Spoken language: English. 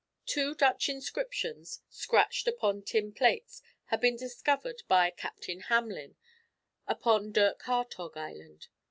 Two Dutch inscriptions, scratched upon tin plates, had been discovered by Captain Hamelin upon Dirk Hartog Island.